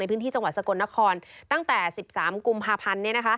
พื้นที่จังหวัดสกลนครตั้งแต่๑๓กุมภาพันธ์